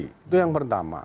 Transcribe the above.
itu yang pertama